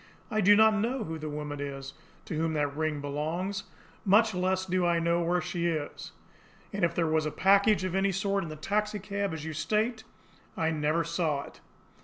I do not know who the woman is to whom that ring belongs, much less do I know where she is. And if there was a package of any sort in the taxicab, as you state, I never saw it."